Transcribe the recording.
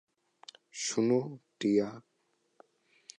শুনো, টিয়া।